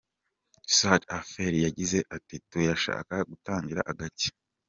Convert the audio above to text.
Schäfer yagize ati “Turashaka gutangira gake.